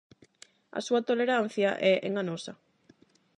A súa tolerancia é enganosa.